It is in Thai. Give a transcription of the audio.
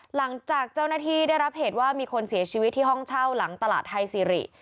หลังจากเจ้าหน้าที่ได้รับเหตุว่ามีคนเสียชีวิตที่ห้องเช่าหลังตลาดไทยซิริ